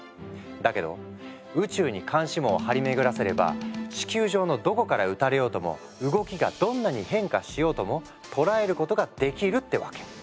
だけど宇宙に監視網を張り巡らせれば地球上のどこから撃たれようとも動きがどんなに変化しようとも捉えることができるってわけ。